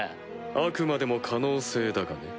あくまでも可能性だがね。